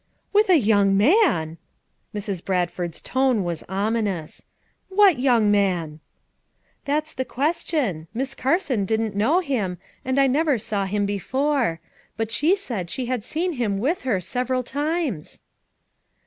"With a young manl" Mrs. Bradford's tone was ominous. "What young man?" "That's the question. Miss Carson didn't know him, and I never saw him before; but she said she had seen him with her several times."